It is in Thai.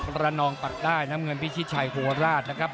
ระนองปักได้น้ำเงินพิชิตชัยโคราชนะครับ